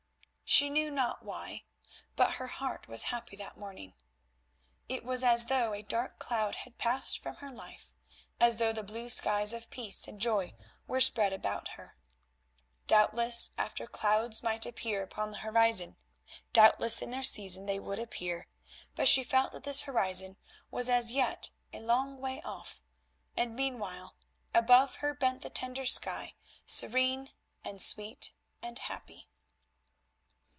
She knew not why, but her heart was happy that morning; it was as though a dark cloud had passed from her life; as though the blue skies of peace and joy were spread about her. Doubtless other clouds might appear upon the horizon; doubtless in their season they would appear, but she felt that this horizon was as yet a long way off, and meanwhile above her bent the tender sky, serene and sweet and happy.